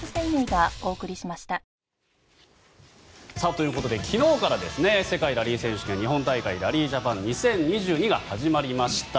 ということで昨日から世界ラリー選手権日本大会ラリージャパン２０２２が始まりました。